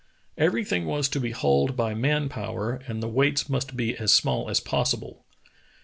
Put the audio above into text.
Every thing was to be hauled by man power and the weights must be as small as possible.